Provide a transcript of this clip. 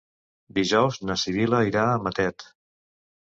Dijous na Sibil·la irà a Matet.